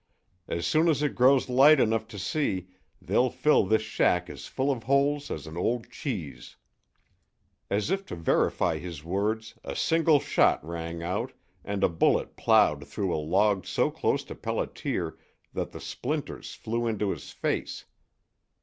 As soon as it grows light enough to see they'll fill this shack as full of holes as an old cheese." As if to verify his words a single shot rang out and a bullet plowed through a log so close to Pelliter that the splinters flew into his face.